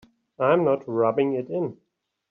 I'm not rubbing it in.